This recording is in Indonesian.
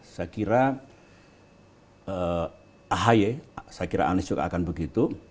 saya kira ahy saya kira anies juga akan begitu